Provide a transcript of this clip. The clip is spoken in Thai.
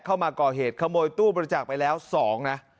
เข้ามาก่อเหตุขโมยตู้บริจาคไปแล้ว๒นะ